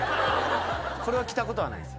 これは着たことはない？